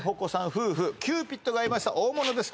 夫婦キューピッドがいました大物です